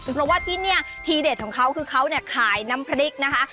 เพราะว่าที่นี่ทีเด็ดของเขาคือเขาเนี่ยขายน้ำพริกนะคะ